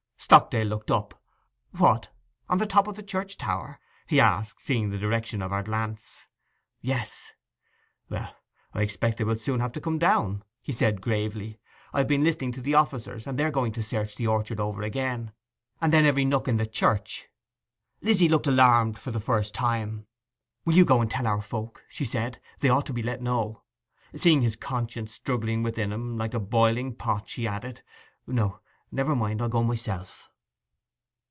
Stockdale looked up. 'What—on the top of the church tower?' he asked, seeing the direction of her glance. 'Yes.' 'Well, I expect they will soon have to come down,' said he gravely. 'I have been listening to the officers, and they are going to search the orchard over again, and then every nook in the church.' Lizzy looked alarmed for the first time. 'Will you go and tell our folk?' she said. 'They ought to be let know.' Seeing his conscience struggling within him like a boiling pot, she added, 'No, never mind, I'll go myself.